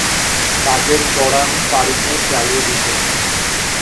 তাদের গড়াম, বাড়িঘর জ্বালিয়ে দিত।